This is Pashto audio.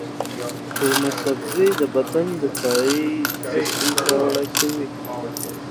قورمه سبزي د بدن دفاعي سیستم پیاوړی کوي.